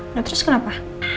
nah terus kenapa